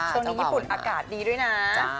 ช่วงนี้ญี่ปุ่นอากาศดีด้วยนะ